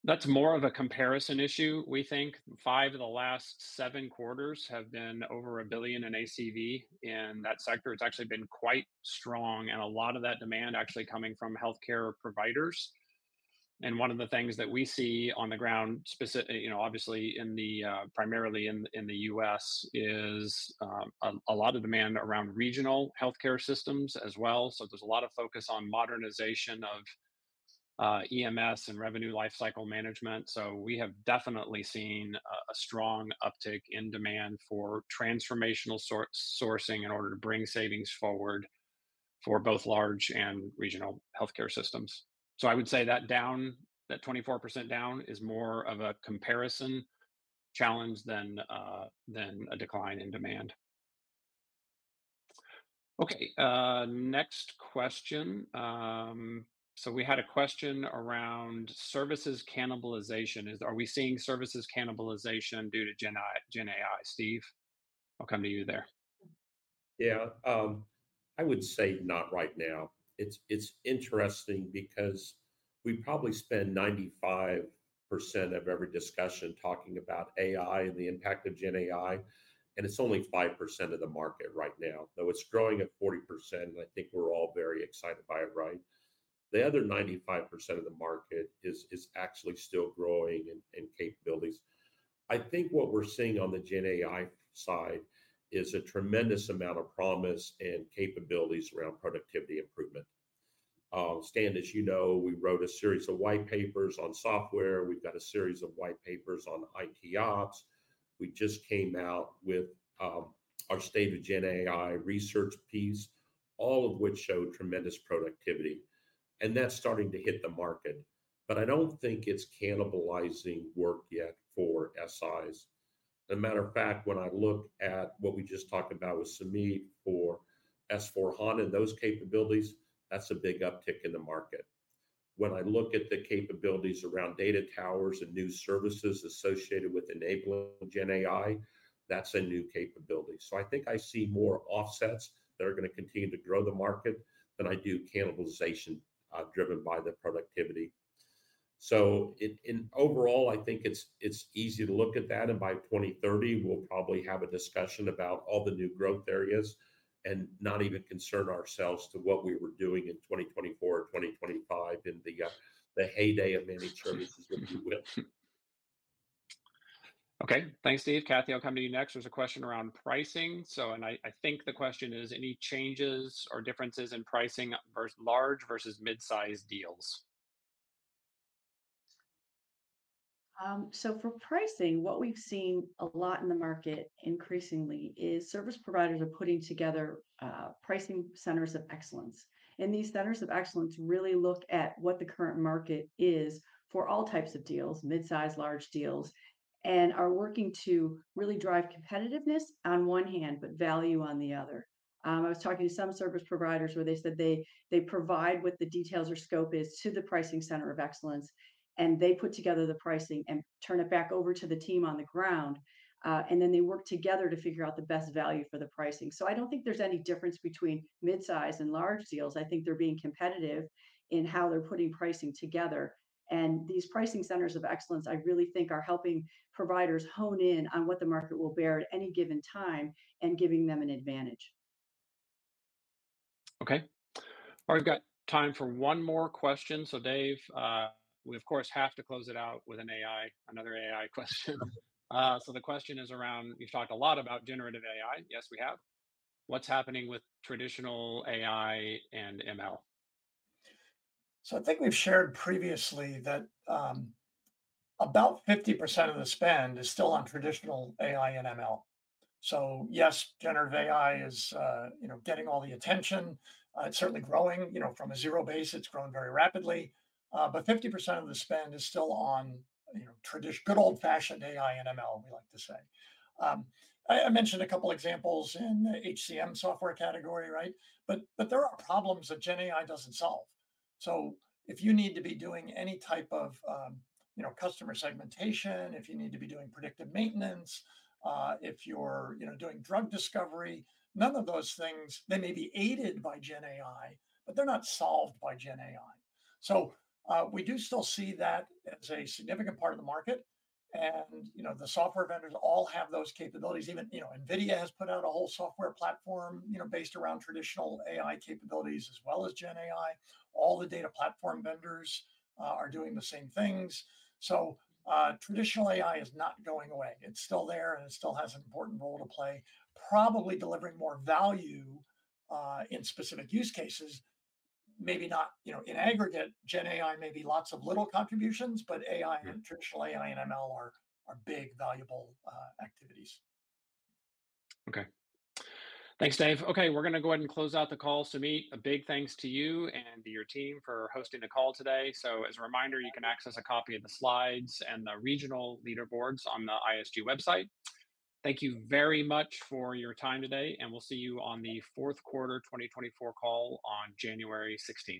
That's more of a comparison issue, we think. Five of the last seven quarters have been over $1 billion in ACV. In that sector, it's actually been quite strong, and a lot of that demand actually coming from healthcare providers. And one of the things that we see on the ground, you know, obviously primarily in the U.S., is a lot of demand around regional healthcare systems as well. So there's a lot of focus on modernization of EMS and revenue lifecycle management. So we have definitely seen a strong uptick in demand for transformational sourcing in order to bring savings forward for both large and regional healthcare systems. So I would say that down, that 24% down is more of a comparison challenge than a decline in demand. Okay, next question. So we had a question around services cannibalization. Are we seeing services cannibalization due to GenAI? Steve, I'll come to you there. Yeah. I would say not right now. It's interesting because we probably spend 95% of every discussion talking about AI and the impact of GenAI, and it's only 5% of the market right now, though it's growing at 40%, and I think we're all very excited by it, right? The other 95% of the market is actually still growing in capabilities. I think what we're seeing on the GenAI side is a tremendous amount of promise and capabilities around productivity improvement. Stan, as you know, we wrote a series of white papers on software. We've got a series of white papers on IT ops. We just came out with our state of GenAI research piece, all of which show tremendous productivity, and that's starting to hit the market. But I don't think it's cannibalizing work yet for SIs. As a matter of fact, when I look at what we just talked about with Sumeet for S/4HANA and those capabilities, that's a big uptick in the market. When I look at the capabilities around data towers and new services associated with enabling GenAI, that's a new capability. So I think I see more offsets that are gonna continue to grow the market than I do cannibalization driven by the productivity. So overall, I think it's easy to look at that, and by 2030, we'll probably have a discussion about all the new growth areas and not even concern ourselves to what we were doing in 2024 or 2025, in the heyday of managed services, if you will.... Okay, thanks, Dave. Kathy, I'll come to you next. There's a question around pricing, so I think the question is, "Any changes or differences in pricing versus large versus mid-size deals? So for pricing, what we've seen a lot in the market increasingly is service providers are putting together pricing centers of excellence. And these centers of excellence really look at what the current market is for all types of deals, mid-size, large deals, and are working to really drive competitiveness on one hand, but value on the other. I was talking to some service providers where they said they provide what the details or scope is to the pricing center of excellence, and they put together the pricing and turn it back over to the team on the ground. And then they work together to figure out the best value for the pricing. So I don't think there's any difference between mid-size and large deals. I think they're being competitive in how they're putting pricing together, and these pricing centers of excellence, I really think are helping providers hone in on what the market will bear at any given time and giving them an advantage. Okay. All right, we've got time for one more question. So Dave, we, of course, have to close it out with an AI, another AI question. So the question is around, "You've talked a lot about generative AI." Yes, we have. "What's happening with traditional AI and ML? So I think we've shared previously that about 50% of the spend is still on traditional AI and ML. So yes, generative AI is you know, getting all the attention. It's certainly growing, you know, from a zero base, it's growing very rapidly. But 50% of the spend is still on you know, good old-fashioned AI and ML, we like to say. I mentioned a couple examples in the HCM software category, right? But there are problems that GenAI doesn't solve. So if you need to be doing any type of you know, customer segmentation, if you need to be doing predictive maintenance, if you're you know, doing drug discovery, none of those things. They may be aided by GenAI, but they're not solved by GenAI. So, we do still see that as a significant part of the market. And, you know, the software vendors all have those capabilities. Even, you know, NVIDIA has put out a whole software platform, you know, based around traditional AI capabilities, as well as GenAI. All the data platform vendors are doing the same things. So, traditional AI is not going away. It's still there, and it still has an important role to play. Probably delivering more value in specific use cases. Maybe not, you know, in aggregate, GenAI may be lots of little contributions, but AI and traditional AI and ML are big, valuable activities. Okay. Thanks, Dave. Okay, we're gonna go ahead and close out the call. Sumeet, a big thanks to you and to your team for hosting the call today. So as a reminder, you can access a copy of the slides and the regional leaderboards on the ISG website. Thank you very much for your time today, and we'll see you on the fourth quarter 2024 call on January 16th.